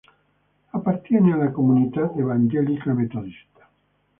Appartiene alla comunità evangelica metodista.